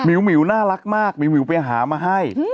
หมิ๋วหมิ๋วหน้ารักมากหมิ๋วหมิ๋วไปหามาให้